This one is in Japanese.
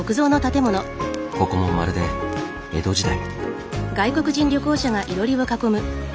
ここもまるで江戸時代。